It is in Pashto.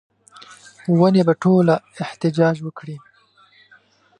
ونې به ټوله احتجاج وکړي